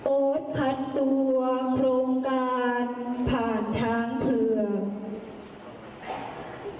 พันตัวโครงการผ่านช้างเผือก